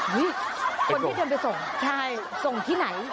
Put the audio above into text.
คนที่ทำเป็นส่งส่งที่ไหน